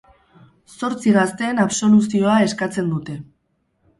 Zortzi gazteen absoluzioa eskatzen dute.